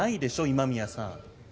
今宮さん。